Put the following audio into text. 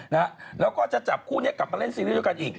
นะฮะแล้วก็จะจับคู่นี้กลับมาเล่นซีรีส์ด้วยกันอีก